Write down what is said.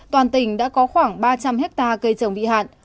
toàn tỉnh đã có khoảng ba trăm linh hectare cây trồng bị hạn